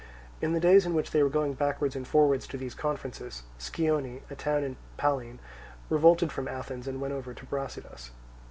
In the days in which they were going backwards and forwards to these conferences, Scione, a town in Pallene, revolted from Athens, and went over to Brasidas.